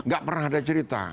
gak pernah ada cerita